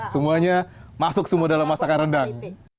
semuanya masuk semua dalam masakan rendang